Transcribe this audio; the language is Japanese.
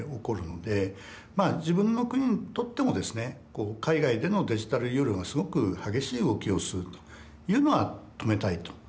自分の国にとってもですね海外でのデジタルユーロがすごく激しい動きをするというのは止めたいと。